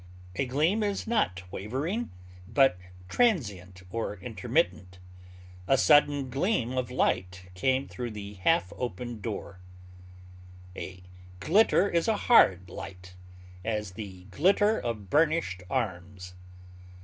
A gleam is not wavering, but transient or intermittent; a sudden gleam of light came through the half open door; a glitter is a hard light; as, the glitter of burnished arms.